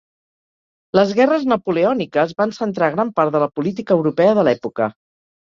Les Guerres Napoleòniques van centrar gran part de la política europea de l'època.